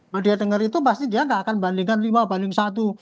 nah dia dengar itu pasti dia nggak akan bandingkan lima banding satu